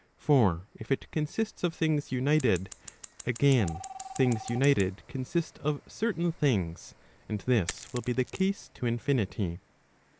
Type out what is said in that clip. For if R consists of things united, again things united consist of certain things, and this will be the case to infinity.